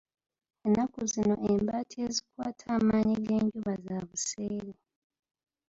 Ennaku zino embaati ezikwata amaanyi g'enjuba za buseere.